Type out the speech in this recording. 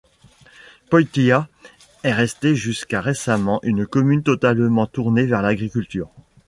Pöytyä est restée jusqu'à récemment une commune totalement tournée vers l'agriculture.